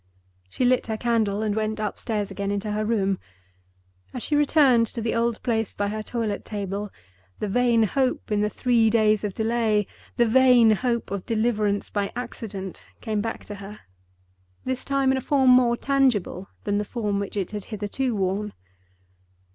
She lit her candle and went upstairs again into her room. As she returned to the old place by her toilet table, the vain hope in the three days of delay, the vain hope of deliverance by accident, came back to her—this time in a form more tangible than the form which it had hitherto worn.